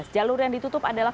jalur yang ditutup adalah